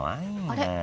あれ？